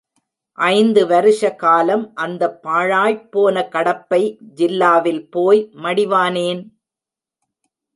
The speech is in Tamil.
ஐந்து வருஷ காலம் அந்தப் பாழாய்ப் போன கடப்பை ஜில்லாவில் போய் மடிவானேன்?